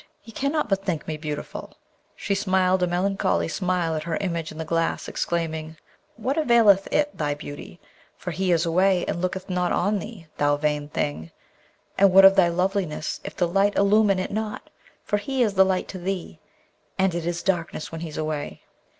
he cannot but think me beautiful.' She smiled a melancholy smile at her image in the glass, exclaiming, 'What availeth it, thy beauty? for he is away and looketh not on thee, thou vain thing! And what of thy loveliness if the light illumine it not, for he is the light to thee, and it is darkness when he's away.'